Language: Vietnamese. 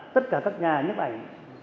tất cả các nhà nhấp ảnh